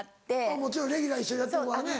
もちろんレギュラー一緒にやってるからね。